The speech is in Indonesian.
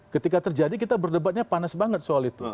ketika terjadi kita berdebatnya panas banget soal itu